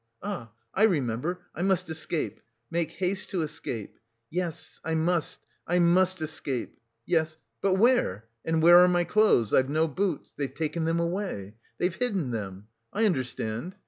Ah, I remember; I must escape! Make haste to escape. Yes, I must, I must escape! Yes... but where? And where are my clothes? I've no boots. They've taken them away! They've hidden them! I understand!